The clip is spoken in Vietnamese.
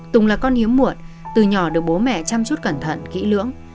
tùng là con hiếm muộn từ nhỏ được bố mẹ chăm chút cẩn thận kỹ lưỡng